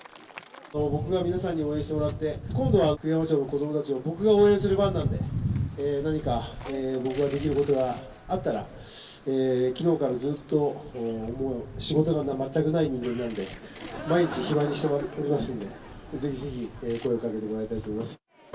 僕が皆さんに応援してもらって、今度は栗山町の子どもたちを僕が応援する番なんで、何か僕ができることがあったら、きのうからずーっともう、仕事が全くない人間なんで、毎日暇してますので、ぜひぜひ声をかけてもらいたいと思います。